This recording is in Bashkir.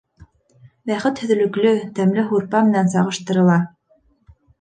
Бәхет һөҙлөклө, тәмле һурпа менән сағыштырыла.